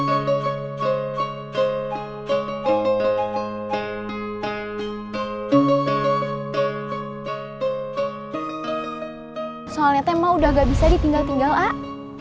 hai soalnya tema udah nggak bisa ditinggal tinggal ah